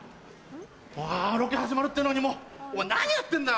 あぁロケ始まるっていうのにお前何やってんだよ！